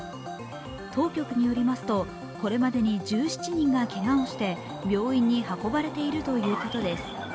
当局によりますとこれまでに１７人がけがをして病院に運ばれているということです。